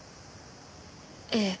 ええ。